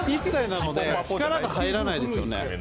１歳なので力が入らないですよね。